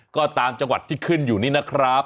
ก็ตามจังหวัดที่ขึ้นอยู่นี่นะครับ